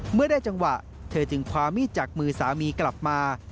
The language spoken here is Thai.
เมื่อได้จังหวะเธอจึงคว้ามีดจากมือสามีกลับมา